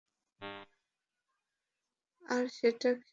আর সেটা খেলব কুট্টির মাধ্যমে।